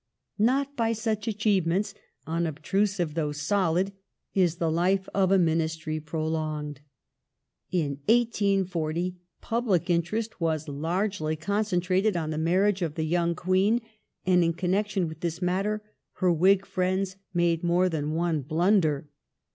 Not by such achievements, unobtrusive though solid, is the The life of a Ministry prolonged. In 1840 public interest was larffelv Queen's concentrated on the marriage of the young Queen, and in connection with this matter her Whig friends made more than one blunder.